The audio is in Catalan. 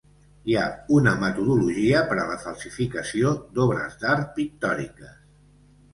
Hi ha una metodologia per a la falsificació d'obres d'art pictòriques.